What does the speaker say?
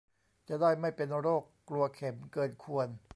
จะได้ไม่เป็นโรคกลัวเข็มเกินควร